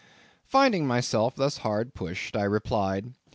Finding myself thus hard pushed, I replied.